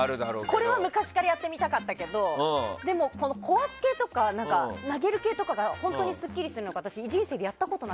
これは昔からやってみたかったけどでも、壊す系とか投げる系がすっきりするのかなと。